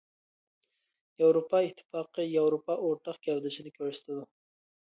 ياۋروپا ئىتتىپاقى ياۋروپا ئورتاق گەۋدىسىنى كۆرسىتىدۇ.